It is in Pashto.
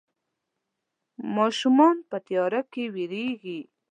ماشومان په تياره کې ويرېږي.